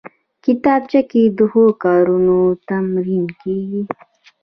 کتابچه کې د ښو کارونو تمرین کېږي